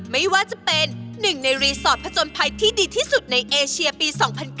ไม่ว่าจะเป็นหนึ่งในรีสอร์ทผจญภัยที่ดีที่สุดในเอเชียปี๒๐๐๙